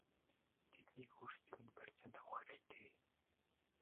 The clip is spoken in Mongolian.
Тэднийг өөрсдийг нь барьцаанд авах хэрэгтэй!!!